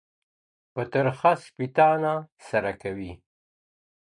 په ترخه سپیتانه سره کوي